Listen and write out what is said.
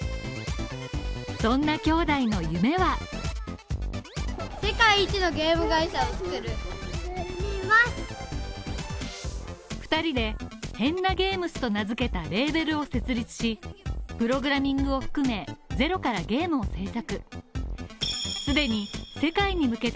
そんな兄弟の夢は２人でｈｅｎｎａｇａｍｅｓと名付けたレーベルを設立し、プログラミングをはじめ、ゼロからゲームを制作。